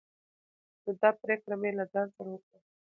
نو دا پريکړه مې له ځان سره وکړه